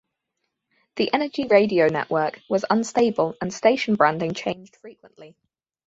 The Energy Radio network was unstable and station branding changed frequently.